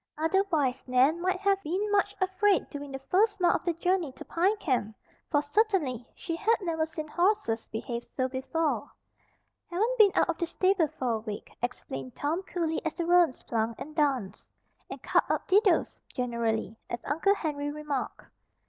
Otherwise Nan might have been much afraid during the first mile of the journey to Pine Camp, for certainly she had never seen horses behave so before. "Haven't been out of the stable for a week," explained Tom cooly as the roans plunged and danced, and "cut up didos" generally, as Uncle Henry remarked.